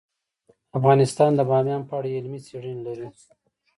افغانستان د بامیان په اړه علمي څېړنې لري.